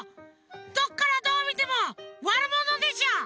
どっからどうみてもワルモノでしょ！